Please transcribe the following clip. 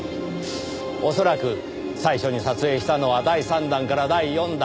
恐らく最初に撮影したのは第３弾から第４弾。